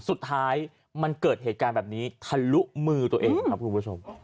สุดท้ายมันเกิดเหตุการณ์แบบนี้ทะลุมือตัวเองครับคุณผู้ชม